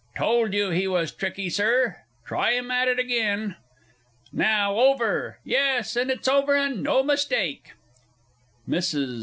Told you he was tricky, Sir! Try him at it again.... Now over!... Yes, and it is over, and no mistake! MRS.